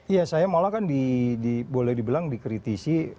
iya saya malah kan boleh dibilang dikritisi